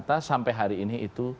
ternyata sampai hari ini itu